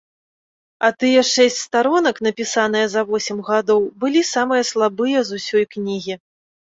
А тыя шэсць старонак, напісаныя за восем гадоў, былі самыя слабыя з усёй кнігі.